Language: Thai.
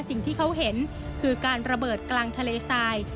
สิ่งที่เขาเห็นคือการระเบิดกลางทะเลทราย